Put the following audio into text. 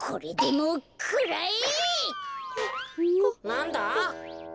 なんだ？